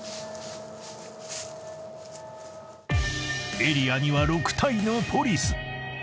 ［エリアには６体のポリス］